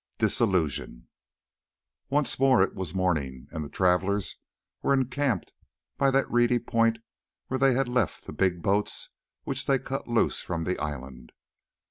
DISILLUSION Once more it was morning, and the travellers were encamped by that reedy point where they had left the big boats which they cut loose from the island.